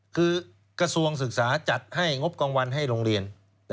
คือกระทรวงศึกษาจัดให้งบกลางวันให้โรงเรียน